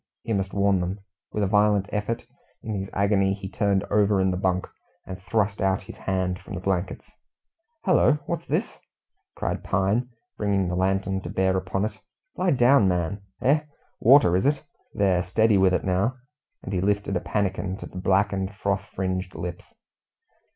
He must warn them. With a violent effort, in his agony he turned over in the bunk and thrust out his hand from the blankets. "Hullo! what's this?" cried Pine, bringing the lantern to bear upon it. "Lie down, my man. Eh! water, is it? There, steady with it now"; and he lifted a pannikin to the blackened, froth fringed lips.